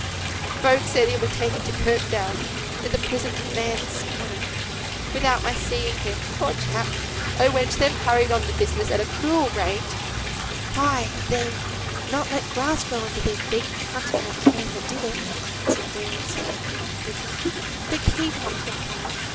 "Folk said he were taken to Kirkdale, i' th' prison van, this morning; without my seeing him, poor chap! Oh! wench! but they've hurried on the business at a cruel rate." "Ay! they've not let grass grow under their feet, in hunting out the man that did it," said Mary, sorrowfully and bitterly. "But keep up your heart.